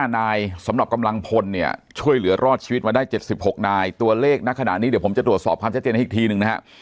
๕นายสำหรับกำลังพลเนี่ยช่วยเหลือรอดชีวิตมาได้๗๖นายตัวเลขณขณะนี้เดี๋ยวผมจะตรวจสอบความชัดเจนให้อีกทีหนึ่งนะฮะ